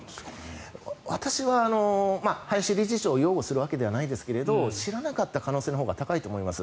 私は林理事長を擁護するわけではないですが知らなかった可能性のほうが高いと思います。